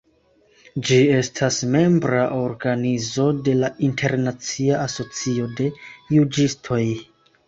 Ĝi estas membra organizo de la Internacia Asocio de Juĝistoj.